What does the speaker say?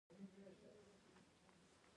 د هرات قلعه اختیارالدین تر ټولو پخوانۍ کلا ده